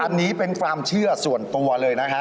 อันนี้เป็นความเชื่อส่วนตัวเลยนะฮะ